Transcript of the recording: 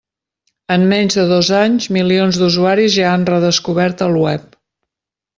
En menys de dos anys, milions d'usuaris ja han redescobert el web.